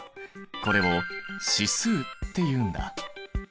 これを指数っていうんだ。